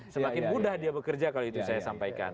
semakin mudah dia bekerja kalau itu saya sampaikan